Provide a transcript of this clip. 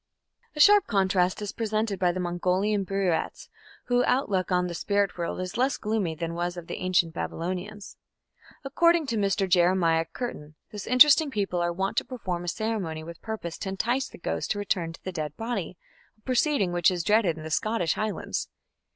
A sharp contrast is presented by the Mongolian Buriats, whose outlook on the spirit world is less gloomy than was that of the ancient Babylonians. According to Mr. Jeremiah Curtin, this interesting people are wont to perform a ceremony with purpose to entice the ghost to return to the dead body a proceeding which is dreaded in the Scottish Highlands.